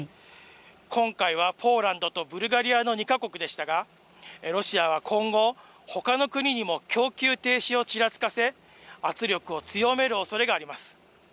今回はポーランドとブルガリアの２か国でしたが、ロシアは今後、ほかの国にも供給停止をちらつかせ、圧力を強めるおそれがあります。